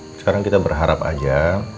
sekarang kita berharap aja